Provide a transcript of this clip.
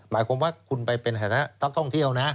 หมายความว่าคุณไปเป็นฐานะนักท่องเที่ยวนะ